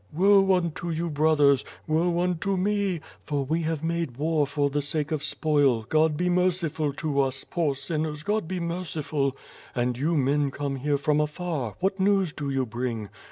'' "Woe unto you brothers, woe unto me, for we have made war for the sake of spoil, God be mer ciful to us, poor sinners, God be merciful — ^and you men come here from afar, what news do you bring?